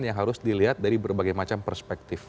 yang harus dilihat dari berbagai macam perspektif